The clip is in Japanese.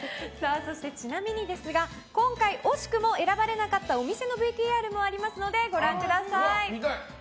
そして、ちなみにですが今回惜しくも選ばれなかったお店のＶＴＲもありますのでご覧ください。